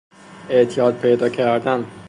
اعتیاد پیدا کردن